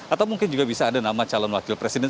atau mungkin juga bisa ada nama calon wakil presiden